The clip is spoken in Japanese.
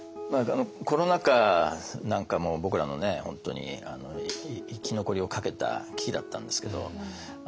コロナ禍なんかも僕らの本当に生き残りをかけた危機だったんですけど。